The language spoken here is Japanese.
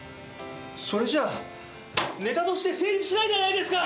それじゃあネタとして成立しないじゃないですか！